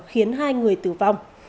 khiến hai người tử vong